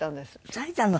咲いたの？